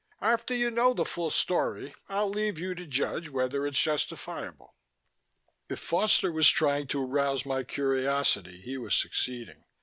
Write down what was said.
After you know the full story I'll leave you to judge whether it's justifiable." If Foster was trying to arouse my curiosity, he was succeeding.